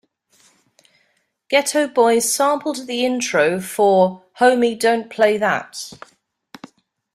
Geto Boys sampled the intro for "Homie Don't Play That".